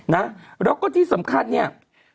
นะแล้วก็ที่สำคัญเนี่ย